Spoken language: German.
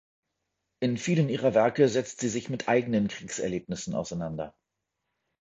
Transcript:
In vielen ihrer Werke setzt sie sich mit eigenen Kriegserlebnissen auseinander.